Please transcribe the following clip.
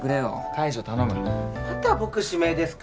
介助頼むまた僕指名ですか？